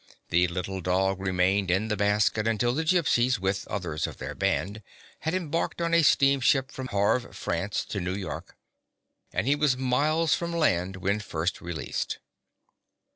The little dog re mained in the basket until the Gypsies, with others of their band, had embarked on a steam ship from Havre, France, to New York, and he was miles from land when first released.